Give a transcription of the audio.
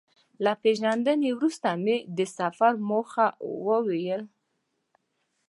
له پېژندنې وروسته مې د سفر موخه وویل.